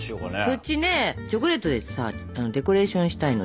そっちねチョコレートでさデコレーションしたいので。